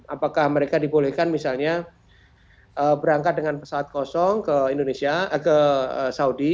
apakah mereka dibolehkan misalnya berangkat dengan pesawat kosong ke saudi